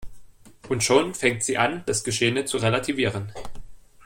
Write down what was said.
Und schon fängt sie an, das Geschehene zu relativieren.